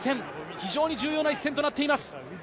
非常に重要な一戦となっています。